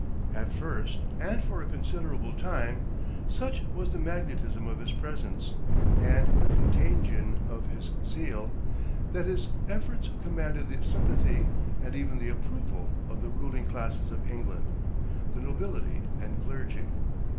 At first, and for a considerable time, such was the magnetism of his presence, and the contagion of his zeal, that his efforts commanded the sympathy, and even the approval, of the ruling classes of England, the nobility and clergy.